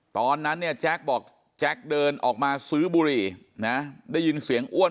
ตอนนั้นเนี่ยแจ๊คบอกแจ็คเดินออกมาซื้อบุหรี่นะได้ยินเสียงอ้วน